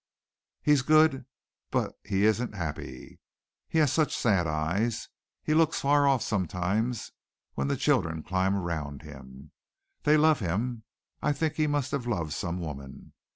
"He's good, but he isn't happy. He has such sad eyes. He looks far off sometimes when the children climb round him. They love him. I think he must have loved some woman.